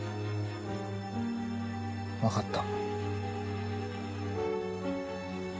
分かった。